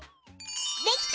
できた！